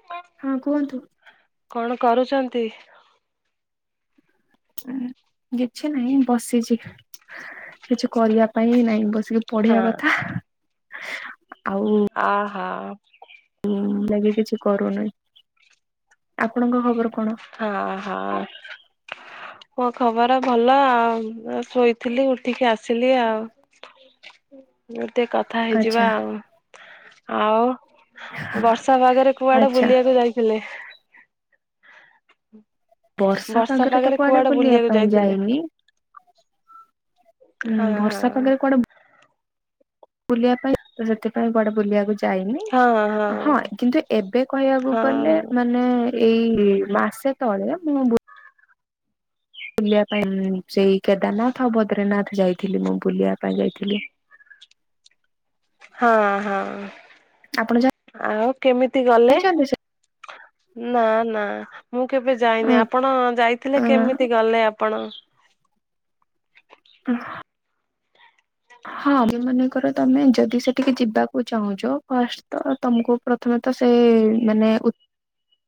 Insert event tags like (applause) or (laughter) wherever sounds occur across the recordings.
(inaudible) ହଁ କୁହନ୍ତୁ। କଣ କରୁଚନ୍ତି? କିଛି ନାଇଁ ବସିଛି କିଛି କରିବା ପାଇଁ ନାଇଁ, ବସିକି ହଁ ପଢିବା କଥା ଆଉ ଆ ହା। ମୁଁ ଲାଗି କିଛି କରୁନି, ଆପଣଙ୍କ ଖବର କଣ? ହାଁହଁ। ମୋ ଖବର ଭଲ ଆଉ ଶୋଇଥିଲି ଉଠିକି ଆସିଲି ଆଉ। ମୁଁ ଟିକେ କଥା ଆଚ୍ଛା ହେଇଯିବା ଆଉ ଆଉ। ବର୍ଷା ପାଗରେ କୁଆଡେ ଆଚ୍ଛା ବୁଲିଆକୁ ଯାଇଥିଲେ? (inaudible) ବର୍ଷା ପାଗରେ ତ କୁଆଡେ ବୁଲିବା ପାଇଁ ଯାଇନି। ହୁଁ ହଁ ବର୍ଷା ହଁ। ପାଖରେ କୁଆଡେ ବୁଲିବା ପାଇଁ ସେଥିପାଇଁ କୁଆଡେ ବୁଲିବାକୁ ଯା ଯାଇନି ହଁ ହଁ କିନ୍ତୁ ଏବେ କହିବାକୁ ହଁ ଗଲେ ମାନେ ଏଇ ମାସେ ତଳେ ମୁଁ ବୁଲିବା ପାଇଁ ସେଇ କେଦାରନାଥ ଆଉ ବଦ୍ରିନାଥ ଯାଇଥିଲି ମୁଁ ବୁଲିବା ପାଇଁ ଯାଇଥିଲି। ହଁ ହଁ। ଆପଣ ଯ ଆଉ କେମିତି ଗଲେ? ନା ନା। ମୁଁ କେବେ ଯାଇନି ଆପଣ ଯାଇଥିଲେ କେମିତି ଗଲେ ଆପଣ? ହୁଁ। ହଁ ଏବେ ମନେକର ତମେ ମନେକର ତମେ ଯଦି ସେଠିକି ଯିବାକୁ ଚାହୁଁଛ ଫାଷ୍ଟ ତ ତମକୁ ପ୍ରଥମେ ତ ସେ ମାନେ ଉ ହ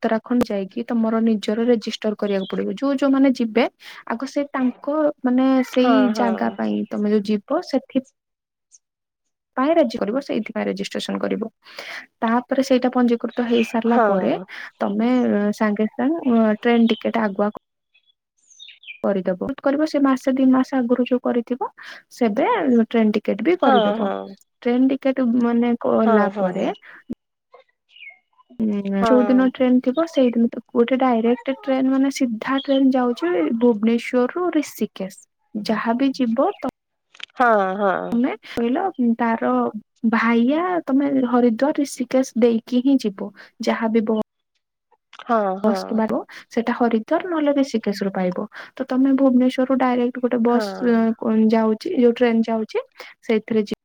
ଉତ୍ତରାଖଣ୍ଡ ଯାଇକି ତମର ନିଜର ରେଜିଷ୍ଟର କରିବାକୁ ପଡିବ ଯୋଉ ଯୋଉମାନେ ଯିବେ ଆଗ ସେ ତାଙ୍କ ମାନେ ହଁ ସେଇ ହଁ ଜାଗା ପାଇଁ ତମେ ଯୋଉ ଯିବ ସେଠି ପାଇଁ ରେଜି କରିବ ସେଇଥିପାଇ ରେଜିଷ୍ଟ୍ରେସନ କରିବ, ତାପରେ ସେଇଟା ପଞ୍ଜିକୃ ତ ହେଇସାରିଲା ହଁ ପରେ ତମେ ସାଙ୍ଗେ ସାଙ୍ଗେ ଟ୍ରେନ ଟିକେଟ ଆଗୁଆ କରିଦବ ବହୁତ କରିବ ସେ ମାସେ ଦି ମାସ ଆଗରୁ ଯୋଉ କରିଥିବ ସେବେ ଟ୍ରେନ ଟ ଟିକେଟ ବି ହଁ କରିଦବ ହଁ ଟ୍ରେନ ଟିକେଟ ମାନେ ହଁ କଲା ହଁ। ପରେ ହୁଁ ଚଉଦିନ ଟ୍ରେନ୍ ଥିବ ସେଇଦିନ ତ ଗୋଟେ ଡାଇରେକ୍ଟ ଟ୍ରେନ ମାନେ ସିଧା ଟ୍ରେନ ଯାଉଛି ଭୁବନେଶ୍ୱରରୁୁ ରିଷିକେଶ। ଯାହାବି ଯିବ ତମ ହଁ ହଁ। କହିଲ ତାର ଭାଇଆ ତମେ ହରିଦ୍ଵାର ରିଷିକେଶ ଦେଇକି ହିଁ ଯିବ। ଯାହା ବି ବ ବସ୍ (unintelligible) ସେଟା ହରିଦ୍ଵାର ନହେଲେ ରିଷିକେଶ ର ପାଇବ, ତ ତମେ ଭୁବନେଶ୍ୱରରୁ ଡାଇ ଗୋଟେ ବସ୍ ଯାଉଛି ଯୋଉ ଟ୍ରେନ ଯାଉଛି ସେଇଥିରେ ଯି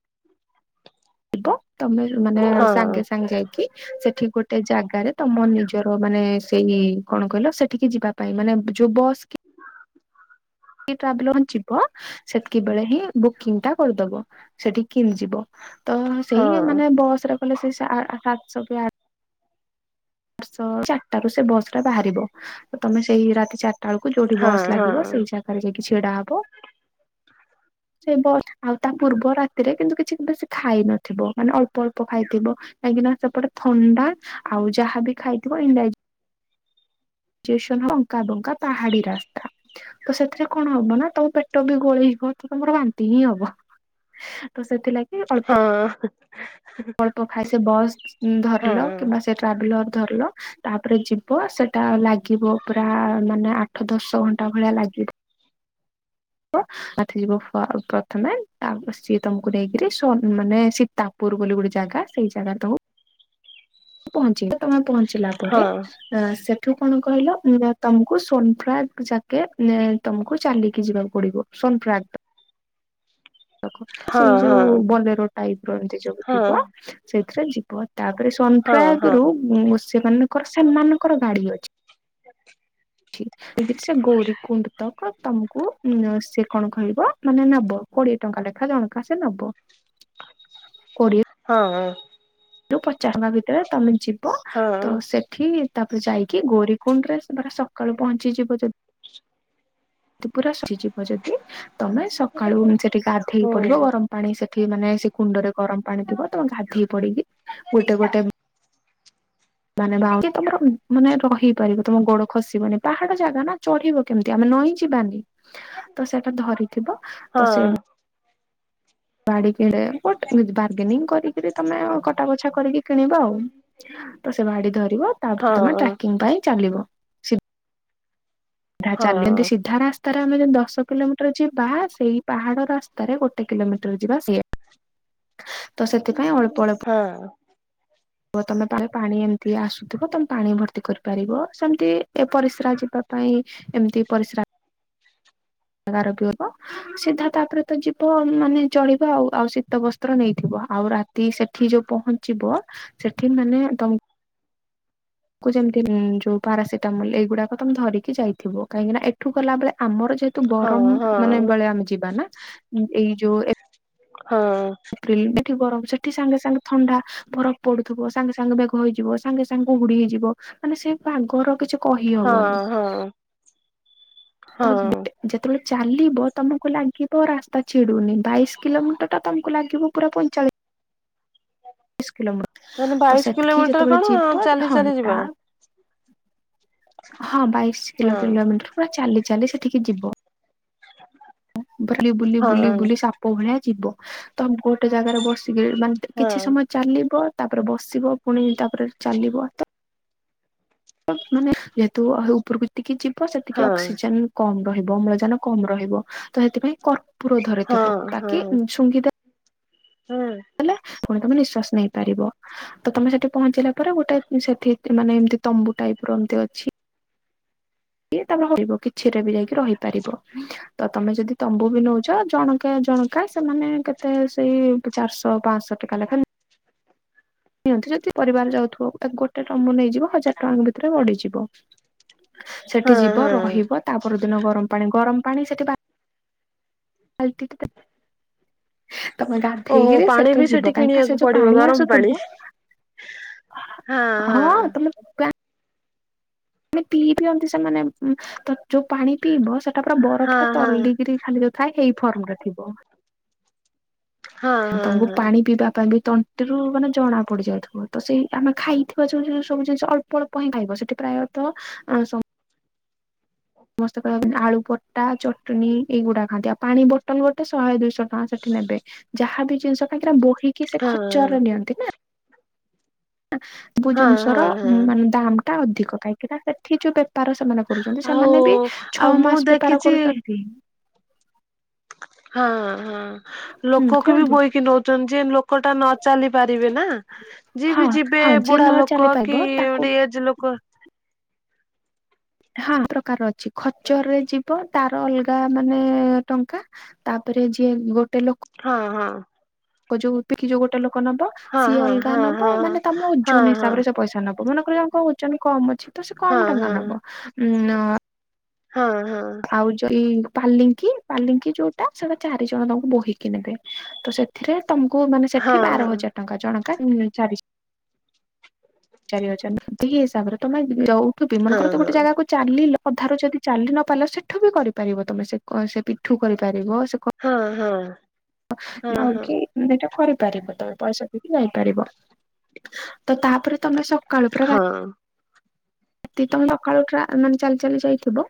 ଯିବ ତମେ ମାନେ ସାଙ୍ଗେ ସାଙ୍ଗେ ଯାଇ (inaudible) ସେଠି ଗୋଟେ ଜାଗାରେ ତମ ନିଜର ମାନେ ସେଇ କଣ କହିଲ ସେଠିକି ଯିବା ପାଇଁ ମାନେ ଯୋଉ ବସ୍ କି ଟ୍ରାଭେଲ ଯିବ ସେତିକି ବେଳେ ହିଁ ବୁକିଂ ଟା କରିଦବ ସେଠି କିଣିଯିବ। ତ ସେଇ ମାନେ ବସ ରେ ଗଲେ ସେ ସା ଆ ସାତଶହ କି ଆ ଶଅ ଚାରିଟାରୁ ସେ ବସ ଟା ବାହାରିବ, ତମେ ସେଇ ରାତି ଚାରି ଟା ବେଳକୁ ଯୋଉଠି ବସ୍ ଲାଗିବ ସେଇ ଜାଗାରେ ଯାଇକି ଛିଡା ହବ। ସେ ବ ଆଉ ତା ପୂର୍ବ ରାତିରେ କିନ୍ତୁ କିଛି ବେଶୀ ଖାଇ ନଥିବ ମାନେ ଅଳ୍ପ ଅଳ୍ପ ଖାଇଥିବ। କାହିଁକି ନା ସେପଟେ ଥଣ୍ଡା ଆଉ ଯାହାବି ଖାଇଥିବ ଇନ ଜେସନ ଅଙ୍କା ବଙ୍କା ପାହାଡି ରାସ୍ତା। ତ ସେଥିରେ କଣ ହବ ନା ତମ ପେଟ ବି ଗୋଳେଇ ହବ ତ ତମର ବାନ୍ତି ହିଁ ହବ। ତ ସେଥିଲାଗି ଅଳ ହଁ। (inaudible) ପ ଖା ସେ ବସ୍ ଧରିଲ କିମ୍ବା ସେ ଟ୍ରାଭେଲର ଧରିଲ। ତାପରେ ଯିବ ସେଟା ଲାଗିବ ପୁରା ମାନେ ଆଠ ଦଶ ଘଣ୍ଟା ଭଳିଆ ଲାଗିବ। ବ ଗଧେଇବ ପ୍ରଥମେ ସିଏ ତମକୁ ନେଇକିରି ସୋନ ମାନେ ସୀତା ପୁର ବୋଲି ଗୋଟେ ଜାଗା ସେଇ ଜାଗାରେ ତୁ ପହଞ୍ଚିଲ ତମେ ପହଞ୍ଚିଲା ପରେ ଅ ସେଠୁ କଣ କହିଲ ଉ ତମକୁ ସୋନପ୍ରୟାଗ ଯାକେ ତମକୁ ଚାଲିକି ଯିବାକୁ ପଡିବ। ସୋନପ୍ରୟାଗ। ଖକୁ ସେଇ ଯୋଉ ବଲେରୋ ଟାଇପ ର ଏମିତି ଯୋଉ ଥିବ ସେଇଥିରେ ଯି ବ ତାପରେ ସୋନପ୍ରୟାଗ ରୁ ସେମାନଙ୍କର ସେମାନଙ୍କର ଗାଡି ଅଛି। ଚି ଦେଇ କରି ସେ ଗୌରୀ କୁଣ୍ଡ ତକ୍ ତମକୁ ସେ କଣ କହିବ ମାନେ ନବ। କୋଡିଏ ଟଙ୍କା ଲେଖା ଜଣଙ୍କା ସେ ନବ। (inaudible) କୋଡ଼ିଏ ହଁ ହଁ। ଯୋଉ ପଚାଶ ଙ୍କା ଭିତରେ ତମେ ଯିବ ତ ସେଠି ତାପରେ ଯାଇକି ଗୌରୀ କୁୁଣ୍ଡ ରେ ସେ ବର୍ ସକାଳୁ ପହଞ୍ଚିଯିବ ଯଦି ପୁରା ଶଇଯିବ ଯଦି ତମେ ସକାଳୁ ସେଠି ଗାଧେଇ ପଡିବ ଗରମ ପାଣି ସେଠି ମାନେ ସେ କୁଣ୍ଡରେ ଗରମ ପାଣି ଥିବ ତମେ ଗାଧେଇ ପଡିକି ଗୋଟେ ଗୋଟେ ମାନେ (unintelligible) ମାନେ ରହିପାରିବ ତମ ଗୋଡ ଖସିବନି ପାହାଡ ଜାଗା ନା ଚଢିବ କେମିତି ଆମେ ନଈଁ ଯିବାନି। ତ ସେଟା ଧରିଥିବ ତ ସେ ବାଡି କି ଟେ ବାର୍ଗେନିଂ କରିକିରି ତମେ କଟା ବଛା କରିକି କିଣିବ ଆଉ। ତ ସେ ବାଡି ଧରିବ ତାପରେ ତମେ ଟ୍ରାକିଂ ପାଇଁ ଚାଲିବ। ହେରା ଚାଲିଲ ଏନ୍ତି ସିଧା ରାସ୍ ରାରେ ଆମେ ଯଦି ଦଶ କିଲୋମିଟର ଯିବା ସେଇ ପାହାଡ ରାସ୍ତାରେ ଗୋଟେ କିଲୋମିଟର ଯିବା ସେଇଆ। ହ ତ ସେଥିପାଇଁ ଅଳ୍ପ ଅଳ୍ପ ହଁ। ଯିବ ତମେ ପା ପାଣି ଏମିତି ଆସୁଥିବ ତମେ ପାଣି ଭର୍ତ୍ତି କରିପାରିବ ସେମିତି ଏ ପରିସ୍ରା ଯିବା ପାଇଁ ଏମିତି ପରିଶ୍ରା (unintelligible) ସିଧା ତାପରେ ତ ଯିବ ମାନେ ଚଳିବ ଆଉ ଆଉ ଶୀତ ବସ୍ତ୍ର ନେଇଥିବ ଆଉ ରା ତି ସେଠି ଯୋଉ ପହଞ୍ଚିବ ସେଠି ମାନେ ତମ କୁଟଯେମିତି ଯୋଉ ପାରାସିଟାମଲ ଏଇଗୁଡାକ ତମେ ଧରିକି ଯାଇଥିବ କାହିଁକି ନା ଏଠୁ ଗଲା ବେଳେ ଆମର ଯେ ହେତୁ ଗରମ ମାନେ ବେଳେ ଆମେ ଯିବା ନା ଏଇ ଯୋଉ ଏ ହଁ। ଏପ୍ରିଲ ଏଠି ଗରମ ସେଠି ସାଙ୍ଗେ ସାଙ୍ଗେ ଥଣ୍ଡା ଫରଫ ପଡୁଥିବ ସାଙ୍ଗେ ସାଙ୍ଗେ ମେଘ ହେଇଯିବ ସାଙ୍ଗେ ସାଙ୍ଗେ କୁହୁଡି ହେଇଯିବ ମାନେ ସେ ପାଗର କିଛି କହିହବନି। ହଁ ତ ହଁ ଯେତେବେଳେ ଚାଲିବ ତମକୁ ଲାଗିବ ରାସ୍ତା ଛିଡୁନି। ବାଇଶ କିଲୋମିଟର ଟା ତମକୁ ଲାଗିବ ପୁରା ପଇଁଚାଳି ଶ ମାନେ କିଲୋମିଟର ତ ବାଇଶ ସେତିକି କିଲୋମିଟର ଯେତେବେଳେ କଣ ଯିବ ଚାଲି ହଁ ଚାଲି ତା ଯିବା ହଁ ବାଇଶି ହଁ କିଲୋ କିଲୋମିଟର ପୁରା ଚାଲି ଚାଲି ସେଠିକି ଯିବ। (inaudible) ଭ ବୁଲି ବୁଲି ହଁ ବୁଲି ବୁଲି ସାପ ଭଳିଆ ଯିବ ତମ ଗୋଟେ ଜାଗାରେ ବସିକିରି ମାନେ ହଁ କିଛି ସମୟ ଚାଲିବ ତାପରେ ବସିବ ପୁଣି ତାପରେ ଚାଲିବ ତ ମାନେ ଯେହେତୁ ଉପରକୁତିକି ଯିବ ହଁ ସେତିକି ହଁ ଅକ୍ସିଜେନ କମ ରହିବ ଅମ୍ଳଜାନ କମ ରହିବ ତ ସେଥିପାଇଁ କର୍ପୁର ଧରିଥିବ ହଁ ତାକି ଶୁଙ୍ଘିଦେ ହୁଁ। ଲେ ପୁଣି ତମେ ନିଶ୍ଵାସ ନେଇପାରିବ ତ ତମେ ସେଠି ପହଞ୍ଚିଲା ପରେ ଗୋଟେ ସେଠି କି ମାନେ ଏମିତି ତମ୍ବୁ ଟାଇପ ର ଏମିତି ଅଛି। ତାପ ରହିବ କିଛି ରେ ବି ଯାଇକି ରହିପାରିବ। ତ ତମେ ଯଦି ତମ୍ବୁ ବି ନଉଛ ଜଣକା ଜଣକା ସେମାନେ କେତେ ସେଇ ଚାରଶହ ପାଞ୍ଚଶହ ଟଙ୍କା ଲେଖା ନିଅ ଯଦି ପରିବାର ଯାଉଥିବ, ତାକୁ ଗୋଟେ ତମ୍ବୁ ନେଇଯିବ ହଜାର ଟଙ୍କା ଭିତରେ ବଢ଼ିଯିବ। ସେଠି ହଁ ଯିବ ହଁ ରହିବ ତାପର ଦିନ ଗରମ ପାଣି ଗରମ ପାଣି ସେଠି ବା (unintelligible) ତମେ ଓହୋ ଗାଧେଇକିରି ସେ ପାଣି ବି ତରେ ସେଠି ଯିବ କାହିଁକି ନା କିଣିବାକୁ ସେ ଯୋଉ ପଡିବ ପାଣି ଗରମ ଆସୁଥିବ ହଁ ତମେ ଗା ମାନେ ପିଇ ପିଅନ୍ତି ସେମାନେ, ଯୋଉ ପାଣି ପିଇବ ସେଟା ପୁରା ବରଫ ହଁ ଟା ହଁ ତରଳିକିରି ଖାଲି ଯୋଉ ଥାଏ ଏଇ ଫର୍ମରେ ଥିବ। ହଁ ହଁ ତାମଙ୍କୁ ହଁ। ପାଣି ପିଇବା ପାଇଁ ବି ତଣ୍ଟି ସେରୁ ମାନେ ଜଣା ପଡିଯାଉଥିବ। ତ ସେଇ ଆମେ ଖାଇଥିବା ଯୋଉ ସବୁ ଜିନିଷ ଅଳ୍ପ ଅଳ୍ପ ହିଁ ଖାଇବ ସେଠି ପ୍ରାୟତଃ ଆ ସ ସମସ୍ତେ କହିବା ଆଳୁରଟା, ଚଟଣି, ଏଇଗୁଡା ଖାଆନ୍ତି ଆଉ ପାଣି ବଟନ ଗୋଟେ ଶହେ ଦୁଇଶହ ଟଙ୍କା ସେଠି ନେବେ ଯାହା ବି ଜିନିଷ କାହିଁକି ନା ବୋହିକି ସେ ହଁ ହଁ ଖର୍ଚରରେ ନିଅନ୍ତି। ସବୁ ହଁ ଜିନିଷ ର ହଁ ହଁ ମାନେ ଦାମ ଟା ଅଧିକ କାହିଁକି ନା ସେଠି ଯୋଉ ବେପାର ସେମାନେ କରୁଛନ୍ତି ଆଉ ସେମାନେ ବି ଆଉ ଛଅ ମୁଁ ମାସ ବେପାର ଦେଖିଛି କରୁଛନ୍ତି। ହଁ ହଁ। ହୁଁ ଲୋକକୁ ବି କୁହନ୍ତୁ ବୋହିକି ନଉଛନ୍ତି ଯେ ଲୋକଟା ନ ଚାଲି ପାରିବେ ନା ଯିଏ ହଁ ବି ଯିବେ ହଁ ଯିଏ ବୁଢା ନ ଚାଲି ଲୋକ ପାରିବ କି ତାକୁ ଗୋଟେ ଏଜ ଲୋକ ହଁ ପ୍ରକାର ଅଛି ଖର୍ଚ୍ଚରରେ ଯିବ ତାର ଅଲଗା ମାନେ ଟଙ୍କା। ତାପରେ ଯିଏ ଗୋଟେ ଲୋକ ହଁ ହଁ। ଅ ଯୋଉ ବୋହିକି ଗୋଟେ ଲୋକ ନବ ହଁ ସିଏ ଅଲଗା ହଁ ନବ ମାନେ ତମ ହଁ ଓଜନ ହଁ ହିସାବରେ ସ ପଇସା ନବ ମନେକର ୟାଙ୍କୁ ଓଜନ କମ ଅଛି ତ ସେ ହଁ କମ ଟଙ୍କା ହଁ ନବ ଉଁ ଅ ହଁ ହଁ। ଆଉ ଜୋ ଏଇ ପାଲିଙ୍କି ପାଲିଙ୍କି ଯୋଉଟା ସେଟା ଚାରି ଜଣ ତମକୁ ବୋହିକି ନେବେ। ତ ସେଥିରେ ତମକୁ ମାନେ ହଁ ସେଠି ହଁ ବାର ହଜାର ଟଙ୍କା ଜଣଙ୍କା ଉଁ ଚାରି ଚାରି ହଜାର ଏତିକି ହିସାବରେ ତମେ ଯଉଠୁ ବି ମନେକର ହଁ କର ତ ଗୋଟେ ଜାଗା କୁ ଚାଲି ଲ ଅଧାରୁ ଯଦି ଚାଲି ନ ପାରିଲ ସେଠୁ ବି କରିପାରିବ ତମେ ସେ କ ସେ ପିଠୁ କରିପାରିବ ସେ କ ହଁ ହଁ। ହଁ ହଁ ହଁ ହଁ ଆଉ କିଏ ଏଇଟା କରିପାରିବ ତମେ ପଇସା ଦେଇକି ଯାଇପାରିବ। ତ ତାପରେ ତମେ ସକାଳୁ ପୁରା ହଁ ରାତ ହଁ। ଯଦି ତମେ ସକାଳୁ ଉଠି ଆ ମାନେ ଚାଲି ଚାଲି ଯାଇଥିବ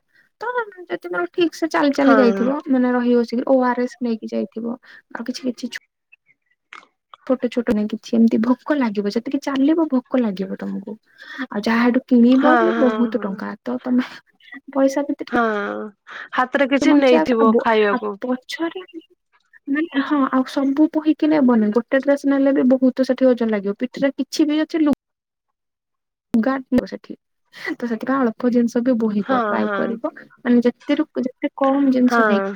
ତ ଯଦି ତେ ଠିକ ସେ ଚାଲି ଚାଲି ହଁ ଯାଇଥିବ। ମାନେ ରହିିଓଛି ଓ ଆର ଏସ୍ ନେଇକି ଯାଇଥିବ ଆଉ କିଛି କିଛି ଛୋଟ ଛୋଟ ନାଇଁ କିଛି ଏମିତି ଭୋକ ଲାଗିବ ଯେତିକି ଚାଲିବ ଭୋକ ଲାଗିବ ତମକୁ ଆଉ ଯାହା ଏଠୁ ହଁ କିଣିବ ବି ହଁ ବହୁତ ହଁ ଟଙ୍କା ତ ତମେ ପଇସା ପ୍ରତି ହଁ। ହାତରେ କିଛି ତମ ଇଚ୍ଛା ଛି ଆଉ ନେଇଥିବ ବୋ ଆଉ ଖାଇବାକୁ। ପଛରେ ନାହିଁ ହଁ ଆଉ ସବୁ ବୋହିକି ନେବନି ଗୋଟେ ଡ୍ରେସ ନେଲେ ବି ବହୁତ ସେଠି ଓଜନ ଲାଗିବ ପିଠିରେ ଟିକ୍ ଛି ବି ଅଛି ଲୁ ଗାଡ ଥିବ ସେଠି ତ ସେଥିପାଇଁ ଅଳ୍ପ ଜିନିଷ ବି ବୋହିବ ହଁ ଟ୍ରାଏ ହଁ କରିବ ମାନେ ଯେତରୁ ଯେତେ କମ ଜିନିଷ ନେଇକି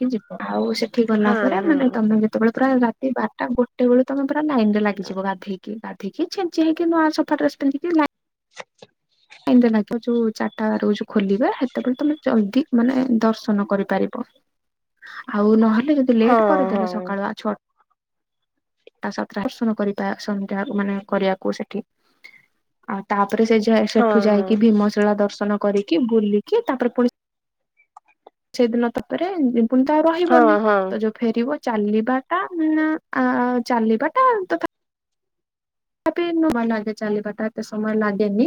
କି ଯିବା ଆଉ ସେଠି ଗଲା ହଁ ପରେ ହଁ ମାନେ ତମେ ଯେତେବେଳେ ପ୍ରାୟ ରାତି ବାରଟା ଗୋଟେ ଗୋଟେ ବେଳୁ ତମେ ପୁରା ଲାଇନ ରେ ଲାଗଯିବ ଗାଧେଇକି ଗାଧେଇକି ଛିଞ୍ଚି ହେଇକି ନୂଆ ସଫା ଡ୍ରେସ ପିନ୍ଧିକି ଲାଇନ (inaudible) ଲାଗିବ ଯୋଉ ଚାରିଟା ରହୁଛି ଖୋଲିବା ସେତେବେଳେ ତମେ ଜଲଦି ମାନେ ଦର୍ଶନ କରିପାରିବ। ଆଉ ନହେଲେ ଯଦି ଲେଟ୍ ହଁ କରିଦେଲେ ହଁ ସକାଳୁଆ ଛ ତା ସାତା ଦର୍ଶନ କରିବା ସନ୍ଧ୍ୟା ମାନେ କରିବାକୁ ସେଠି ଆଉ ତାପରେ ସେ ଯାଇ ସେଠୁ ହଁ। ଯାଇକି ଭୀମଶିଳା ଦର୍ଶନ କରିକି ବୁଲିକି ତାପରେ ପୁଣି ସେଇଦିନ ତାପରେ ବି ପୁଣି ତ ଆଉ ହଁ ରହିବନି ହଁ ତ ଯୋଉ ଫେରିବ ଚାଲିବାଟା ନାଁ ଆ ଚାଲିବାଟା ତଥା ତଥାପି ନୂଆ ଲାଗେ ଚାଲିିବାଟା ଏତେ ସମୟ ଲାଗେନି।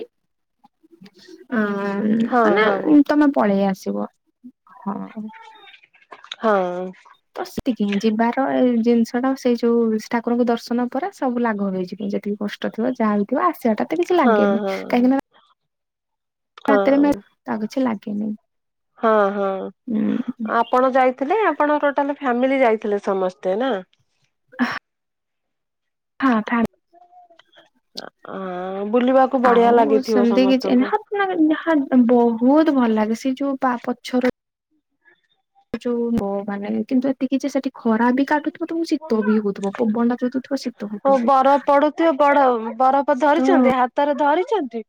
ଆଁ ହଁ ହଁ ହଁ ମାନେ ତମେ ପଳେଇ ଆସିବ ହଁ। ହଁ। ତ ସେଠିକି ଯିବାର ଏ ଜିନିଷ ଟା ସେଇ ଯୋଉ ଠାକୁରଙ୍କୁ ଦର୍ଶନ ପରେ ସବୁ ଲାଘଭ ହେଇଯିବ ଯେତିକି କ କଷ୍ଟ ଥିବ ଯାହା ହେଉଥିବ ଆସିବାଟା ତ କିଛି ହଁ ଲାଗେନି ହଁ ହଁ। କାହିଁକି ନା ହଁ ରାତିରେ ମେଟ୍ ଆଉ କିଛି ଲାଗେନି। ହଁ ହଁ ଉଁ ଆପଣ ଯାଇଥିଲେ ଆପଣ ଟୋଟାଲ ଫ୍ୟାମିଲି ଯାଇଥିଲେ ସମସ୍ତେ ନାଁ? ହଁ ଠା‌‌ ନ ଆ ଆଁ ବୁଲିବାକୁ ବଢିଆ ଲାଗିଥିବ ସମସ୍ତଙ୍କୁ? ନା ଯାହା ବହୁତ୍ ଭଲ ଲାଗେ ସେ ଯୋଉ ପା ପଛରୁ ଯୋଉ ନୋ ମାନେ କିନ୍ତୁ ଏତିକି ଯେ ସେଠି ଖରା ବି କାଟୁଥିବ ତମକୁ ଶୀତ ବି ହଉଥିବ ପବନ ଯୋଉ ଦଉଥିବା ଶୀତ ହଉ ହଉଥିବ। ବରଫ ପଡୁଥିବ ବଡ ବରଫ ତ ଧରିଛନ୍ତି ହାତରେ ଧରିଛନ୍ତି?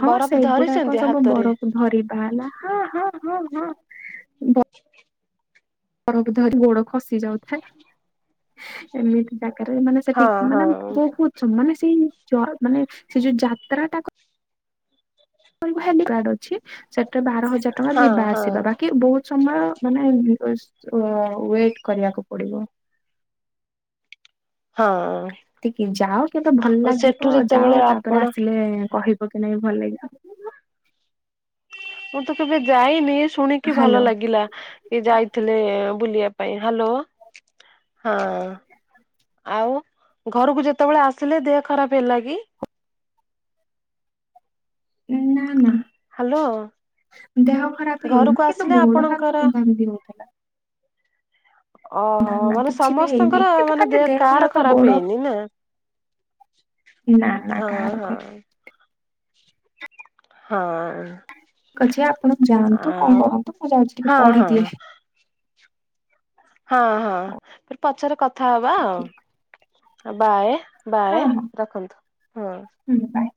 ହଁ ବରଫ ସେଗୁଡାକ ଧରିଛନ୍ତି ସବୁ ହାତରେ ବରକୁ ଧରି ବା ହେଲା ହଁ ହଁ ହଁ ହଁ। ବରକୁ ଧରି ଗୋଡ ଖସି ଯାଉଥାଏ ଏମିତି ଜାଗାରେ ମାନେ ହଁ ସେଠିକ ହଁ ମାନେ ବହୁତ୍ ସୁ ମାନେ ସେଇ ଯ ମାନେ ସେ ଯୋଉ ଯାତ୍ରାଟା କ (unintelligible) କାଡ ଅଛି ସେଟା ବାର ହଜାର ଟଙ୍କା ହଁ ଯିବା ହଁ। ଆସିବା ବାକି ବହୁତ ସମୟ ମାନେ ୱେଷ୍ଟ ଉଅ ୱେଟ କରିବାକୁ ପଡିବ। ହଁ। ଟିକେ ଯାଅ କେବେ ଭଲ ସେଠୁ ଲାଗିବ ଯେତେବେଳେ ଯାଅ ତାପରେ ଆପଣ ଆସିଲେ କହିବ କି ନାଇଁ ଭଲ ଲାଗିବ। ମୁଁ ତ କେବେ ଯାଇନି ଶୁଣିକି ଭଲ ହ୍ୟାଲୋ ଲାଗିଲା। କି ଯାଇଥିଲେ ବୁଲିବା ପାଇଁ ହ୍ୟାଲୋ? ହଁ ଆଉ ଘରକୁ ଯେତେବେଳେ ଆସିଲେ ଦେହ ଖରାପ୍ ହେଲା କି? ନା ନା ହ୍ୟାଲୋ। ଦେହ ଖରାପ୍ ଘରକୁ ହେଇନି କିନ୍ତୁ ଆସିଲେ ଗୋଡ ଆପଣଙ୍କର ହାତ ବିନ୍ଧା ବିନ୍ଧି ହଉଥିଲା। ଓହୋ ନାଁ ନାଁ ମାନେ କିଛି ବି ହେଇନି ସମସ୍ତଙ୍କର କିନ୍ତୁ ମାନେ ଖାଲି ଦେହ କାହାର ହାତ ଖରାପ ଗୋଡ଼ ହେଇନି ନା ନାଁ ନାଁ ହଁ କାହାର କ ହଁ। ହଁ। ଛି ଆପଣ ଯାଆନ୍ତୁ କଣ ଆଉ କରନ୍ତୁ ମୁଁ ଯାଉଛି ଟିକେ ହଁ ହଁ ପଢିଦିଏ। ହଁ ହଁ ଫେରେ ପଛରେ କଥା ହବା ଠିକ୍ ଆଉ ବାଏ। ହଁ ବାଏ ହଁ ରଖନ୍ତୁ ହଁ। ହୁଁ ବାଏ।